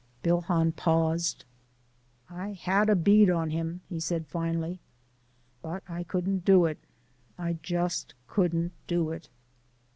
Bill Hahn paused. "I had a bead on him," he said, "but I couldn't do it I just couldn't do it."